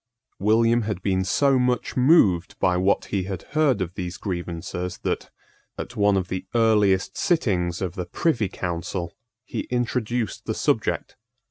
William had been so much moved by what he had heard of these grievances that, at one of the earliest sittings of the Privy Council, he introduced the subject.